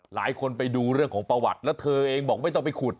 ไปดูเรื่องของประวัติแล้วเธอเองบอกไม่ต้องไปขุด